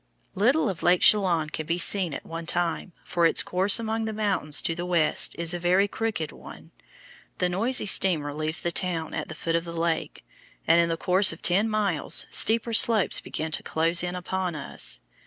Little of Lake Chelan can be seen at one time, for its course among the mountains to the west is a very crooked one. The noisy steamer leaves the town at the foot of the lake and in the course of ten miles steeper slopes begin to close in upon us.